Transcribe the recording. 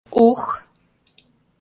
— О-ох!